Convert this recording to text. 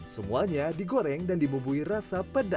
semuanya digoreng dan dibubuhi rasa pedas manis